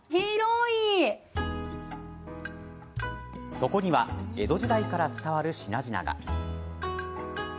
そこには江戸時代から伝わる品々が。